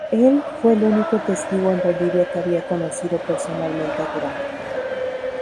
Él fue el único testigo en Bolivia que había conocido personalmente a Guevara.